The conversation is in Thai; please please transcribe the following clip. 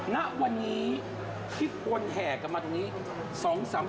ณวันนี้ที่คนแห่กันมาตรงนี้